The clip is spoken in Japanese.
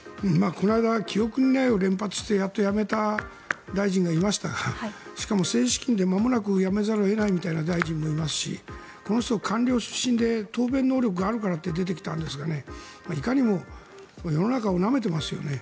この間記憶にないを連発してやっと辞めた大臣がいましたからしかも政治資金でまもなく辞めざるを得ないような大臣もいますしこの人は官僚出身で答弁能力があるからといって出てきたんですがいかにも世の中をなめていますね。